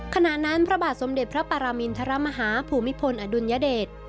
ขณะนั้นพระบาทสมเด็จพระปรมินทรมาฮาภูมิพลอดุลยเดช